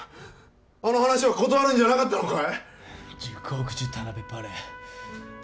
あの話は断るんじゃなかったのかい？